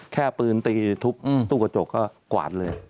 แค่ปืนตีทุบตู้กระจกก็กวาดเลย